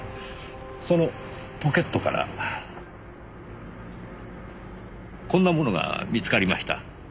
そのポケットからこんなものが見つかりました。